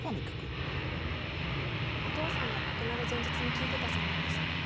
お父さんが亡くなる前日に聴いてたそうなんです。